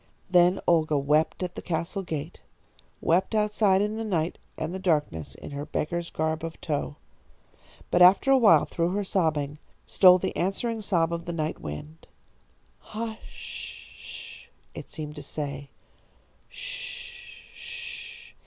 "Then Olga wept at the castle gate; wept outside in the night and the darkness, in her beggar's garb of tow. But after awhile, through her sobbing, stole the answering sob of the night wind. 'Hush sh!' it seemed to say. 'Sh sh!